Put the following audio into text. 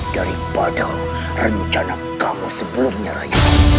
daripada rencana kamu sebelumnya raja